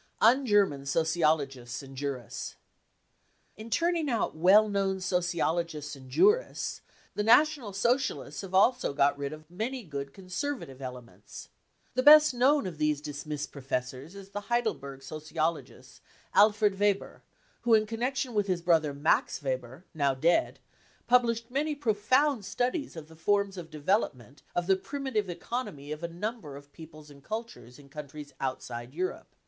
Un German 59 Sociologists and Jurists. In turning out well known sociologists and jurists the National Socialists have also got rid of many good conservative elements. The best known of these dismissed professors is the Heidelberg sociologist, Alfred Weber, who in con junction with his brother Max Weber, now dead, published many profound studies of the forms of development of the primitive economy of a number of peoples and cultures in countries outside Europe.